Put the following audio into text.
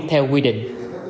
theo quy định